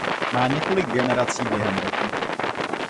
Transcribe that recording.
Má několik generací během roku.